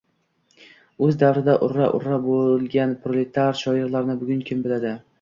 Oʻz davrida urra-urra boʻlgan proletar shoirlarini bugun kim biladi